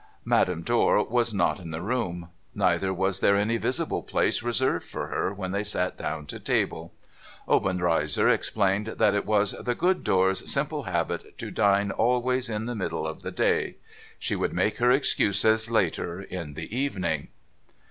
Madame Dor was not in the room. Neither was there any visible place reserved for her when they sat down to table. Obenreizer OBENREIZER IS ENTHUSIASTIC 517 explained that it was ' the good Dor's simple habit to dine always in the middle of the day. She would make her excuses later in the evening.'